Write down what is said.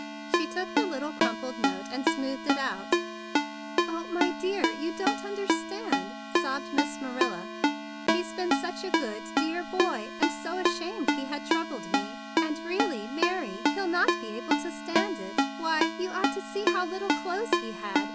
She took the little crumpled note and smoothed it out. "O my dear, you don't understand," sobbed Miss Marilla. "He's been such a good, dear boy, and so ashamed he had troubled me! And really, Mary, he'11 not be able to stand it. Why, you ought to see how little clothes he had!